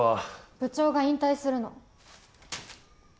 部長が引退するの。